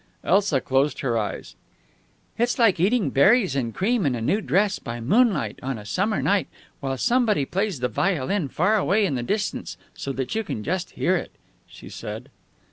Elsa closed her eyes. "It's like eating berries and cream in a new dress by moonlight on a summer night while somebody plays the violin far away in the distance so that you can just hear it," she said.